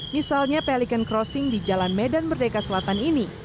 misalnya pelikan crossing di jalan medan merdeka selatan ini